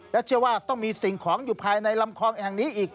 และเชื่อว่าต้องมีสิ่งของอยู่ภายในลำคลองแห่งนี้อีก